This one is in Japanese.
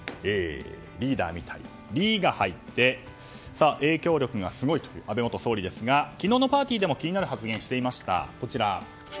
リーダーみたい「リ」が入って影響力がすごいという安倍元総理ですが昨日のパーティーでも気になる発言がありました。